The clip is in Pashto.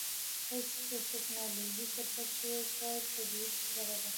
کله چې ته د ټیکنالوژۍ شرکت شوې دا طبیعي خبره ده